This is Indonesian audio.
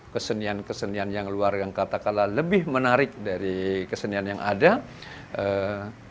kesenian kesenian yang luar yang kata kata lebih menarik dari kesenian yang ada di luar